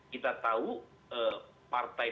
kita tahu partai